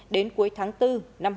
đến cuối tháng bốn năm hai nghìn chín